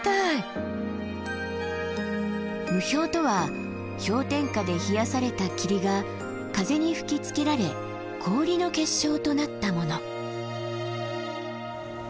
霧氷とは氷点下で冷やされた霧が風に吹きつけられ氷の結晶となったもの。